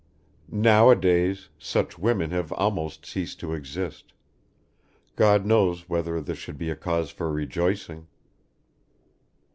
. Nowadays such women have almost ceased to exist. God knows whether this should be a cause for rejoicing!